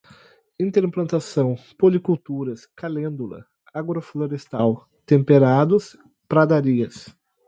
interplantação, policulturas, calêndula, agroflorestal, temperados, pradarias